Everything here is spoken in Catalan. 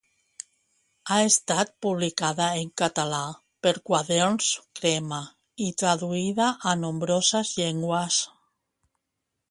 Ha estat publicada en català per Quaderns Crema i traduïda a nombroses llengües.